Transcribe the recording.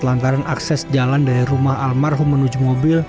lantaran akses jalan dari rumah almarhum menuju mobil